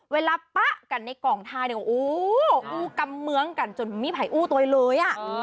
เวลาปะกันในกองทายอู๊กำเมืองกันจนมีไผอู้ตัวเลย